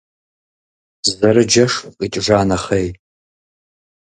Зэрыджэшх къикӏыжа нэхъей.